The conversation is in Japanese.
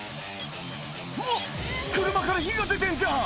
うわ車から火が出てんじゃん！